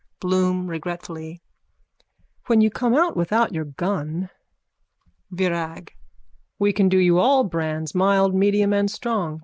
BLOOM: (Regretfully.) When you come out without your gun. VIRAG: We can do you all brands, mild, medium and strong.